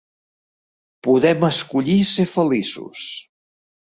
Podem escollir ser feliços.